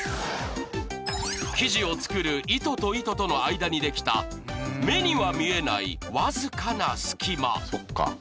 生地を作る糸と糸との間にできた目には見えない僅かな隙間。